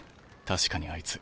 確かにあいつ。